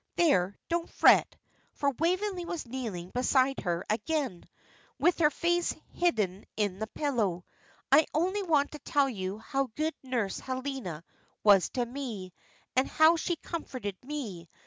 There, don't fret," for Waveney was kneeling beside her again, with her face hidden in the pillow. "I only want to tell you how good Nurse Helena was to me, and how she comforted me.